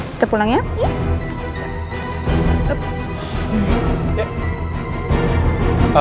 kita pulang ya